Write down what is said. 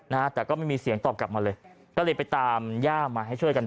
นะฮะแต่ก็ไม่มีเสียงตอบกลับมาเลยก็เลยไปตามย่ามาให้ช่วยกัน